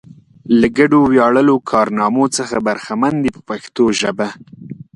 له ګډو ویاړلو کارنامو څخه برخمن دي په پښتو ژبه.